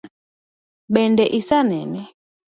Bende isenene?